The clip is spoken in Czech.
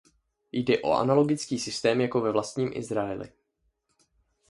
Jde o analogický systém jako ve vlastním Izraeli.